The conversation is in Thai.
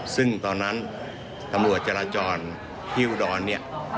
ซึ่งตอนนั้นตำรวจจราจรที่อุดรเนี่ย